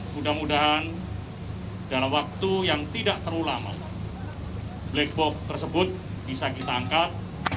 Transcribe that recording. mudah mudahan dalam waktu yang tidak terlalu lama black box tersebut bisa kita angkat